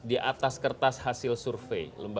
di atas kertas hasil survei